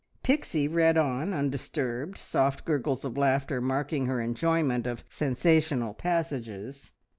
Pixie read on undisturbed, soft gurgles of laughter marking her enjoyment of sensational passages.